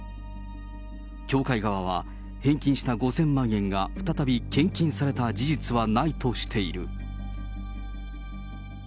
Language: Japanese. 教会側は、返金した５０００万円が再び献金された事実はないとしている。